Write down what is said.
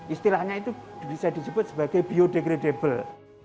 istilahnya itu bisa disebut sebagai biodegradable